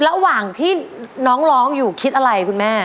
ระหว่างที่น้องร้องอยู่คิดอะไรคุณแม่